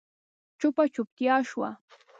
چوپه چوپتيا شوه.